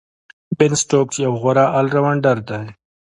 بین سټوکس یو غوره آل راونډر دئ.